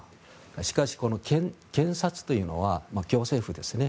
しかし、この検察というのは行政府ですね。